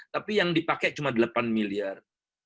tapi yang dipakai cuma delapan miliar